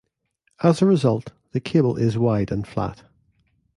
As a result the cable is wide and flat.